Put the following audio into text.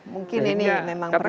mungkin ini memang perlu